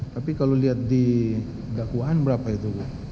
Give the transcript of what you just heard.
tapi kalau lihat di dakwaan berapa itu